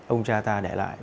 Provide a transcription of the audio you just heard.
ông cha ta để lại